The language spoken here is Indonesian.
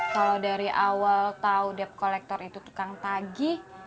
kalau dari awal tau dep kolektor itu tukang tagi